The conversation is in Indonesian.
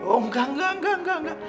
oh enggak enggak enggak